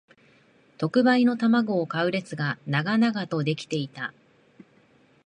特売の玉子を買う列が長々と出来ていた